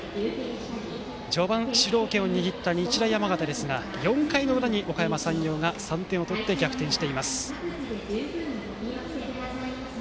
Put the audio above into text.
序盤、主導権を握った日大山形でしたが４回の裏に、おかやま山陽が３点を取って逆転しています。